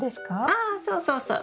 ああそうそうそう。